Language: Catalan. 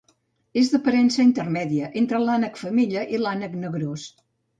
És d'aparença intermèdia entre l'ànec femella i l'ànec negrós.